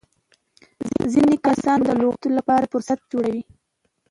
ځيني کسان د لغاتو له پاره فهرست جوړوي.